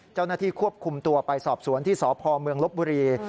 เจ้าหน้าที่ควบคุมตัวไปสอบสวนที่สพเมืองลบบุรี